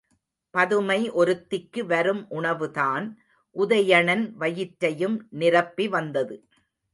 பதுமை ஒருத்திக்கு வரும் உணவுதான் உதயணன் வயிற்றையும் நிரப்பி வந்தது.